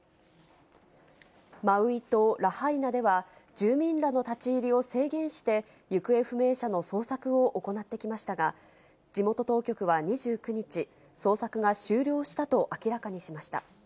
マウイ島ラハイナでは、住民らの立ち入りを制限して、行方不明者の捜索を行ってきましたが、地元当局は２９日、捜索が終了したと明らかにしました。